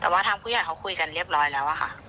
แต่ว่าทางผู้ใหญ่เขาคุยกันเรียบร้อยแล้วค่ะ